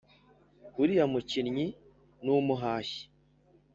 uriya mukinnyi ni umuhashyi